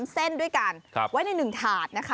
เส้นด้วยกันไว้ใน๑ถาดนะคะ